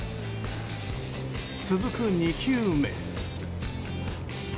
続く２球目。